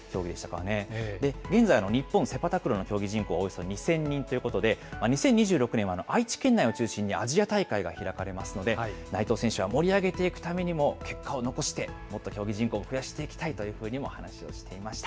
現在の日本、セパタクローの競技人口はおよそ２０００人ということで、２０２６年は愛知県内を中心にアジア大会が開かれますので、内藤選手は盛り上げていくためにも、結果を残して、もっと競技人口を増やしていきたいというふうにも話していました。